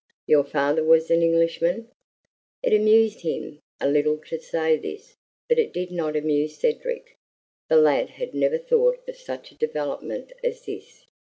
"Your father was an Englishman." It amused him a little to say this, but it did not amuse Cedric. The lad had never thought of such a development as this.